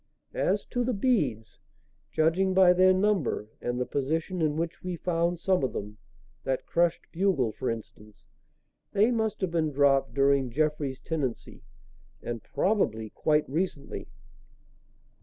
As to the beads, judging by their number and the position in which we found some of them that crushed bugle, for instance they must have been dropped during Jeffrey's tenancy and probably quite recently."